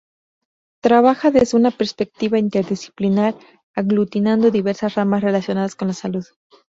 Trabaja desde una perspectiva interdisciplinar aglutinando diversas ramas relacionadas con la salud.